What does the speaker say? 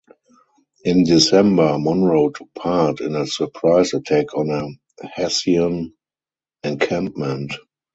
In December, Monroe took part in a surprise attack on a Hessian encampment.